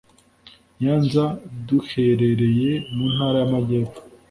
Nyanza duherereye mu Ntara y Amajyepfo